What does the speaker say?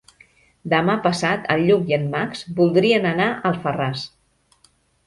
Demà passat en Lluc i en Max voldrien anar a Alfarràs.